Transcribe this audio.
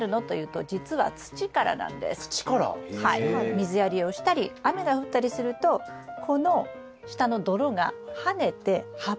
水やりをしたり雨が降ったりするとこの下の泥がはねて葉っぱにつくことがあります。